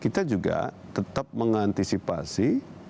kita juga tetap mengantisipasi